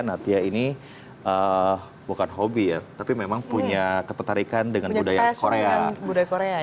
natia ini bukan hobi ya tapi memang punya ketertarikan dengan budaya korea